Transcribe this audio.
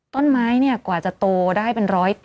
ต้นไม้เนี่ยกว่าจะโตได้เป็นร้อยปี